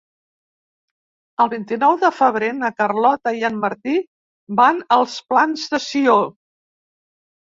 El vint-i-nou de febrer na Carlota i en Martí van als Plans de Sió.